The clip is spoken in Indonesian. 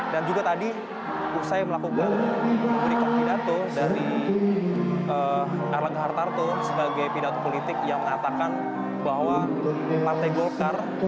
saya melakukan berikut pidato dari arlaga hartarto sebagai pidato politik yang mengatakan bahwa partai golkar